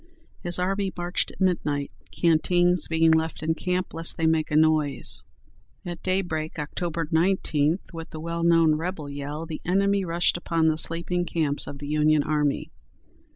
His army marched at midnight, canteens being left in camp, lest they make a noise. At daybreak, Oct. 19, with the well known "rebel yell" the enemy rushed upon the sleeping camps of the Union army.